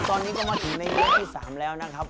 ตอนนี้ก็มาถึงในยกที่๓แล้วนะครับ